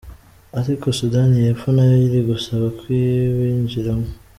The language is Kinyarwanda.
Ariko Sudani y’Epfo nayo iri gusaba kuwinjiramo.